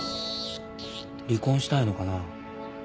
・離婚したいのかな？